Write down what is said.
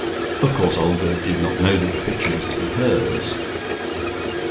Of course Olga did not know that the picture was to be hers....